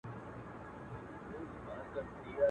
خوب چي درسي بالښت نه غواړي، زړه چي مين سي ښايست نه غواړي.